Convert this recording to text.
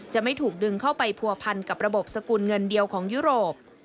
จะไม่ถูกดึงเข้าไปผัวพันกับระบบสกุลเงินเดียวของยุโรป